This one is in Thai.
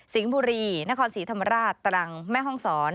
บุรีนครศรีธรรมราชตรังแม่ห้องศร